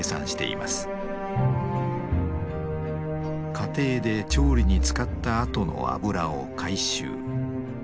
家庭で調理に使ったあとの油を回収。